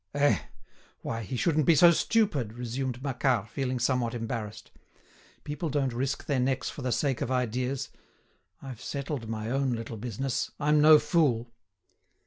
"Eh! Why, he shouldn't be so stupid," resumed Macquart, feeling somewhat embarrassed. "People don't risk their necks for the sake of ideas. I've settled my own little business. I'm no fool."